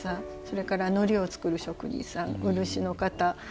それからのりを作る職人さん漆の方